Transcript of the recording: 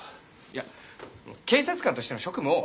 いや警察官としての職務を。